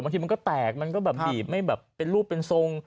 บางทีมันก็แตกมันก็แบบบีบไม่แบบเป็นรูปเป็นทรง